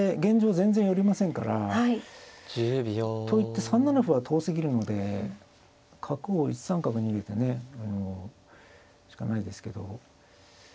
全然寄りませんから。といって３七歩は遠すぎるので角を１三角に逃げてねあのしかないですけど。